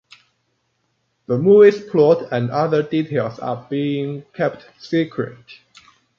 The movie's plot and other details are being kept secret.